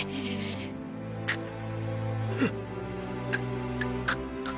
くっ。